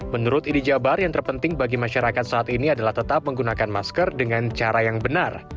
menurut idi jabar yang terpenting bagi masyarakat saat ini adalah tetap menggunakan masker dengan cara yang benar